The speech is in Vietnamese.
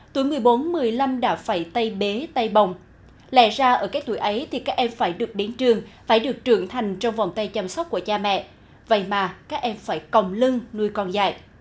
tuổi một mươi bốn một mươi năm đã phải tay bế tay bồng lẽ ra ở các tuổi ấy thì các em phải được đến trường phải được trưởng thành trong vòng tay chăm sóc của cha mẹ vậy mà các em phải còng lưng nuôi con dạy